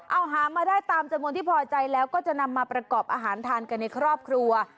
เอาหามาได้ตามจำนวนที่พอใจแล้วก็จะนำมาประกอบอาหารทานกันในครอบครัว